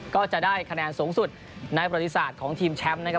ก็จะได้คะแนนสูงสุดในประติศาสตร์ของทีมแชมป์นะครับ